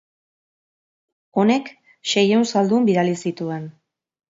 Honek seiehun zaldun bidali zituen.